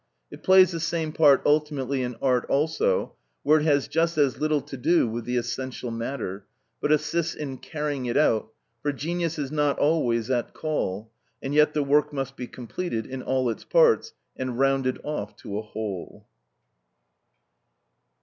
It plays the same part ultimately in art also, where it has just as little to do with the essential matter, but assists in carrying it out, for genius is not always at call, and yet the work must be completed in all its parts and rounded off to a whole.